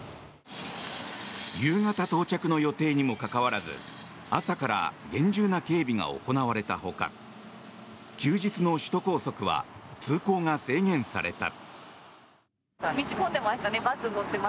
夕方到着の予定にもかかわらず朝から厳重な警備が行われたほか休日の首都高速は通行が制限された。